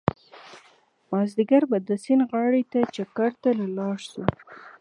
مازيګر به د سيند غاړې ته چکر له لاړ شو